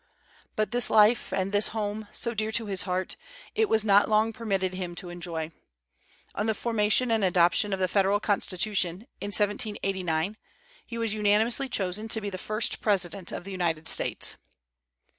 But this life and this home, so dear to his heart, it was not long permitted him to enjoy. On the formation and adoption of the Federal Constitution, in 1789, he was unanimously chosen to be the first president of the United States.